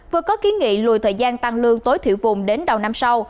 vừa có kiến nghị lùi thời gian tăng lương tối thiểu vùng đến đầu năm sau